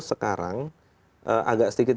sekarang agak sedikit